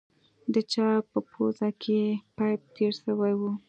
د چا په پوزه کښې پيپ تېر سوى و.